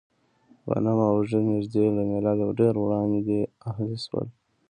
غنم او اوزې نږدې له مېلاده ډېر وړاندې اهلي شول.